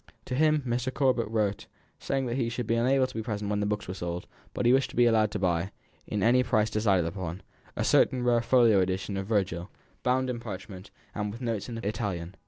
To him Mr. Corbet wrote, saying that he should be unable to be present when the books were sold, but that he wished to be allowed to buy in, at any price decided upon, a certain rare folio edition of Virgil, bound in parchment, and with notes in Italian.